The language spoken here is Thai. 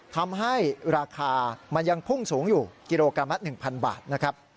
ทำให้ราคามันยังพุ่งสูงอยู่กิโลกรัมละ๑๐๐บาทนะครับ